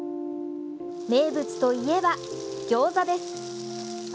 名物といえば、ギョーザです。